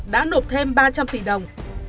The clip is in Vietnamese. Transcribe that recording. đã nộp thêm ba trăm linh tỷ đồng